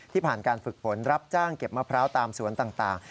ผ่านการฝึกฝนรับจ้างเก็บมะพร้าวตามสวนต่าง